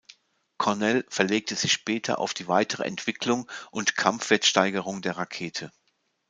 Cornell verlegte sich später auf die weitere Entwicklung und Kampfwertsteigerung der Rakete.